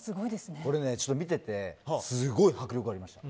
これは見ていてすごい迫力がありました。